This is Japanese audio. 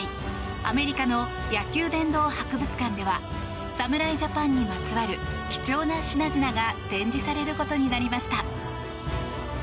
アメリカの野球殿堂博物館では侍ジャパンにまつわる貴重な品々が展示されることになりました。